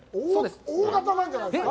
大型なんじゃないですか？